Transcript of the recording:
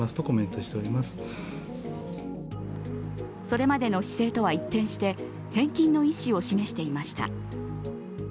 それまでの姿勢とは一転して返金の意思を示していました。